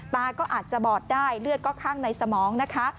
ตาก็อาจจะบอดได้เลือดก็ข้างในสมองนะคะ